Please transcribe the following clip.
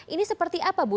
ini seperti apa bu